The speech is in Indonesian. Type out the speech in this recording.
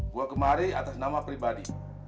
gue kemari atas nama pribadi